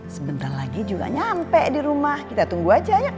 sebentar lagi juga nyampe di rumah kita tunggu aja